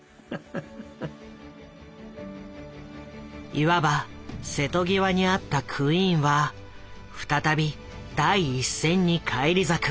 いわば瀬戸際にあったクイーンは再び第一線に返り咲く。